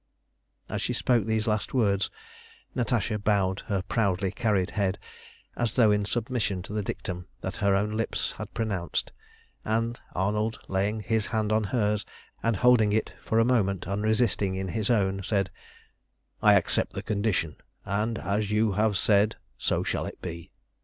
As she spoke these last words Natasha bowed her proudly carried head as though in submission to the dictum that her own lips had pronounced; and Arnold, laying his hand on hers and holding it for a moment unresisting in his own, said "I accept the condition, and as you have said so shall it be.